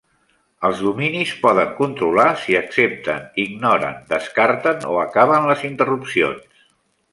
Els dominis poden controlar si accepten, ignoren, descarten o acaben les interrupcions.